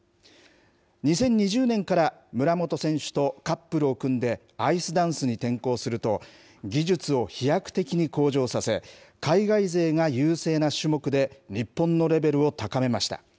２０２０年から村元選手とカップルを組んでアイスダンスに転向すると、技術を飛躍的に向上させ、海外勢が優勢な種目で日本のレベルを高めました。